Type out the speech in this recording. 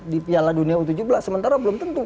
di piala dunia u tujuh belas sementara belum tentu